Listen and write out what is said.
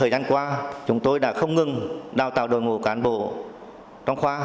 thời gian qua chúng tôi đã không ngừng đào tạo đội ngũ cán bộ trong khoa